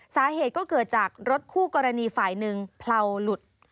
สาเหตุก็เกิดจากรถคู่กรณีฝ่ายหนึ่งเผลาหลุด